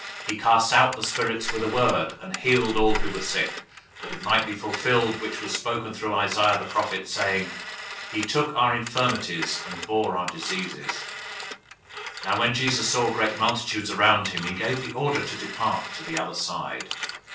He cast out the spirits with a word, and healed all who were sick; 008:017 that it might be fulfilled which was spoken through Isaiah the prophet, saying: "He took our infirmities, and bore our diseases."{Isaiah 53:4} 008:018 Now when Jesus saw great multitudes around him, he gave the order to depart to the other side.